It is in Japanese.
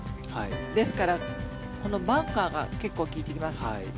ですからこのバンカーが結構効いてきます。